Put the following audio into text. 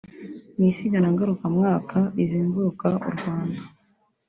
Mu isiganwa ngarukamwaka rizenguruka u Rwanda